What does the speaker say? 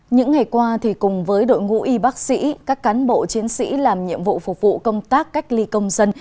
những ngày qua cùng với đội ngũ y bác sĩ các cán bộ chiến sĩ làm nhiệm vụ phục vụ công tác cách ly công dân